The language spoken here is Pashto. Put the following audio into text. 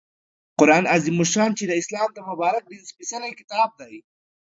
قرآن عظیم الشان چې د اسلام د مبارک دین سپیڅلی کتاب دی